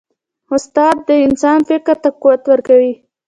استاد د انسان فکر ته قوت ورکوي.